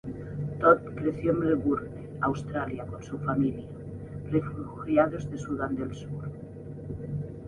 Thot creció en Melbourne, Australia con su familia, refugiados de Sudán del Sur.